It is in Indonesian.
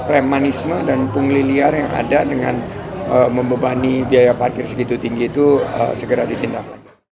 premanisme dan pungli liar yang ada dengan membebani biaya parkir segitu tinggi itu segera ditindaklan